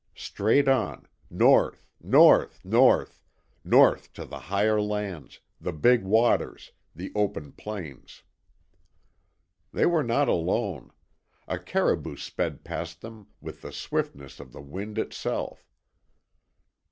Straight on NORTH, NORTH, NORTH north to the higher lands, the big waters, the open plains. They were not alone. A caribou sped past them with the swiftness of the wind itself.